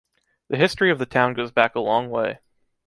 The history of the town goes back a long way.